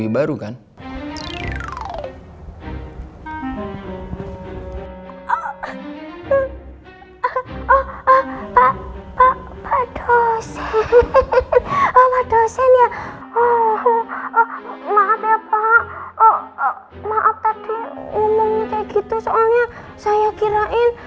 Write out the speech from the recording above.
baru kan oh pak dosen dosen ya oh maaf ya pak oh maaf tadi ngomongnya gitu soalnya saya kirain